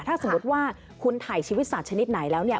ถ้าสมมุติว่าคุณถ่ายชีวิตสัตว์ชนิดไหนแล้วเนี่ย